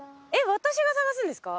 私が探すんですか？